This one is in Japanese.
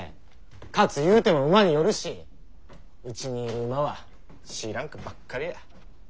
勝つ言うても馬によるしうちにいる馬はＣランクばっかりや。